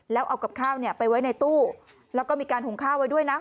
แล้วเอากับข้าวไปไว้ในตู้แล้วก็มีการหุงข้าวไว้ด้วยนะ